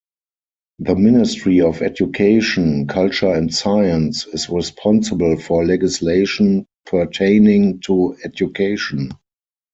The Ministry of Education, Culture and Science is responsible for legislation pertaining to education.